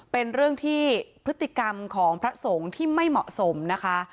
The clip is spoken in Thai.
เป็นเรื่องที่พฤติกรรมของพระสงฆ์ที่ไม่เหมาะสมนะคะ